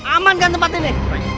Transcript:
aman kan tempat ini